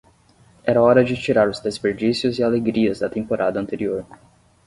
Era hora de tirar os desperdícios e alegrias da temporada anterior.